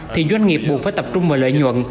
thì doanh nghiệp buộc phải tập trung vào lợi nhuận